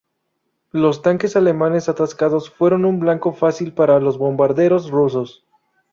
Los tanques alemanes atascados fueron un blanco fácil para los bombarderos rusos.